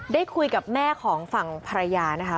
ได้คุยกับแม่ของฝั่งภรรยานะคะ